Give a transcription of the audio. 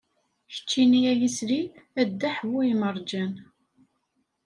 Keččini ay isli, a ddeḥ bu lmerǧan.